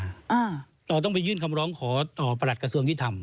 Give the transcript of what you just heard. อ่าเราต้องไปยื่นคำร้องขอต่อประหลัดกระทรวงยุทธรรม